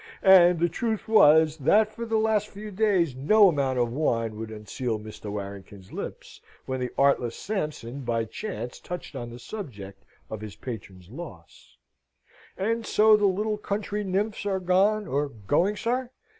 And the truth was, that, for the last few days, no amount of wine would unseal Mr. Warrington's lips, when the artless Sampson by chance touched on the subject of his patron's loss. "And so the little country nymphs are gone, or going, sir?"